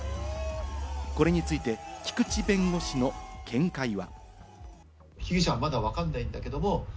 これについて菊地弁護士の見解は。